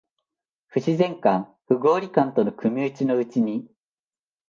不自然感、不合理感との組打ちのうちに、